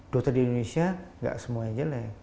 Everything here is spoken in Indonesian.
dokter di indonesia gak semuanya jelek